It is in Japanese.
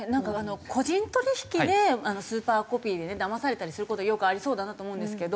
個人取引でスーパーコピーでねだまされたりする事よくありそうだなと思うんですけど。